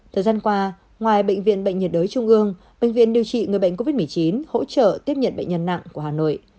thời gian qua ngoài bệnh viện bệnh nhiệt đới trung ương bệnh viện điều trị người bệnh covid một mươi chín hỗ trợ tiếp nhận bệnh nhân nặng của hà nội